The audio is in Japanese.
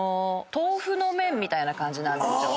豆腐の麺みたいな感じなんですよ。